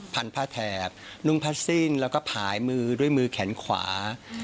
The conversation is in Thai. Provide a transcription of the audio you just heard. พันผ้าแถบนุ่งผ้าสิ้นแล้วก็ผายมือด้วยมือแขนขวา